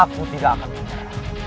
aku tidak akan selera